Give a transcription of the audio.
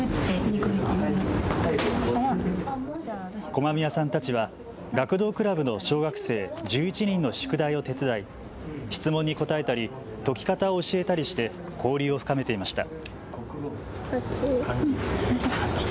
駒宮さんたちは学童クラブの小学生１１人の宿題を手伝い質問に答えたり解き方を教えたりして交流を深めていました。